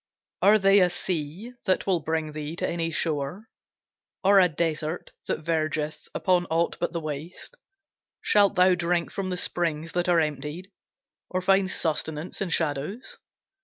Are they a sea that will bring thee to any shore, Or a desert that vergeth upon aught but the waste? Shalt thou drink from the springs that are emptied, Or find sustenance in shadows?